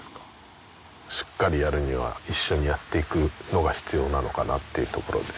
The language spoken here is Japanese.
しっかりやるには一緒にやっていくのが必要なのかなっていうところで。